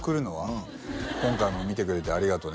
うん「今回も見てくれてありがとね」